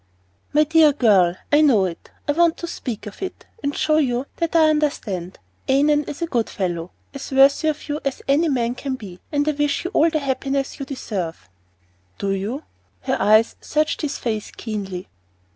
"My dear girl, I know it. I meant to speak of it, and show you that I understand. Annon is a good fellow, as worthy of you as any man can be, and I wish you all the happiness you deserve." "Do you?" And her eyes searched his face keenly.